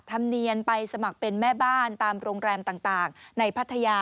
ธรรมเนียนไปสมัครเป็นแม่บ้านตามโรงแรมต่างในพัทยา